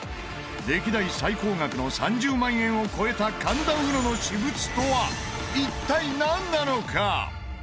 歴代最高額の３０万円を超えた神田うのの私物とは一体なんなのか？